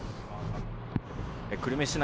久留米市内